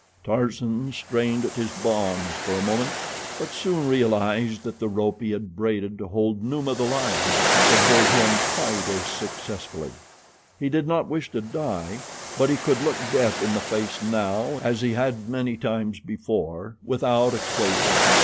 Tarzan strained at his bonds for a moment, but soon realized that the rope he had braided to hold Numa, the lion, would hold him quite as successfully. He did not wish to die; but he could look death in the face now as he had many times before without a quaver.